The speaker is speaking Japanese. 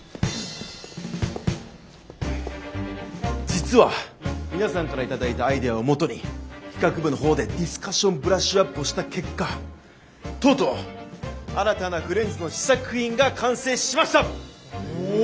実は皆さんから頂いたアイデアをもとに企画部のほうでディスカッションブラッシュアップをした結果とうとう新たなフレンズの試作品が完成しました！